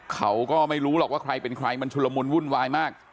เขาก็ไม่รู้หรอกว่าใครเป็นใครมันชุลมุนวุ่นวายมาก